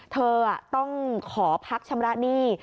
เธอต้องขอพักชำระหนี้